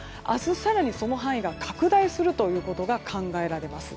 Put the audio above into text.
更に、その範囲が拡大するということが考えられます。